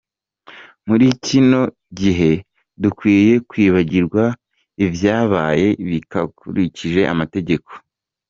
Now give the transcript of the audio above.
Muri kino gihe dukwiye kwibagira ivyabaye bitakurikije amategeko.